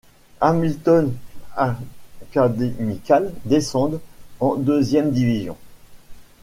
Hamilton Academical descendent en deuxième division.